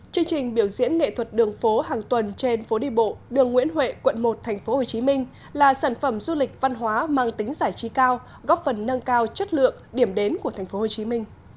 chương trình biểu diễn nghệ thuật đường phố hàng tuần trên phố đi bộ đường nguyễn huệ quận một tp hcm là sản phẩm du lịch văn hóa mang tính giải trí cao góp phần nâng cao chất lượng điểm đến của tp hcm